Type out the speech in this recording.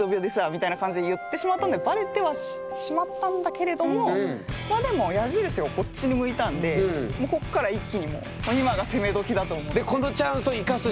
みたいな感じで言ってしまったのでバレてはしまったんだけれどもまあでも矢印がこっちに向いたんでこっから一気にもうこのチャンスを生かすしかない。